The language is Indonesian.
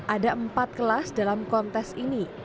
ada empat kelas dalam kontes ini